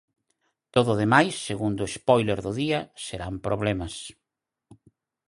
Todo o demais, segundo espóiler do día, serán problemas.